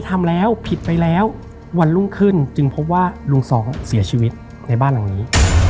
ทำแล้วผิดไปแล้ววันรุ่งขึ้นจึงพบว่าลุงสองเสียชีวิตในบ้านหลังนี้